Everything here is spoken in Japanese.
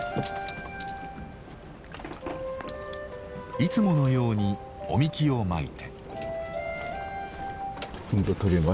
いつものようにお神酒をまいて。